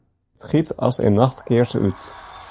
It giet as in nachtkears út.